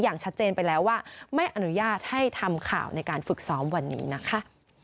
อย่างชัดเจนไปแล้วว่าไม่อนุญาตให้ทำข่าวในการฝึกซ้อมวันนี้นะคะ